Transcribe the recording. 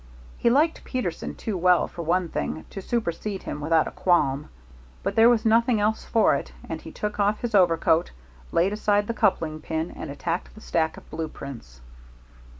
He liked Peterson too well, for one thing, to supersede him without a qualm. But there was nothing else for it, and he took off his overcoat, laid aside the coupling pin, and attacked the stack of blue prints.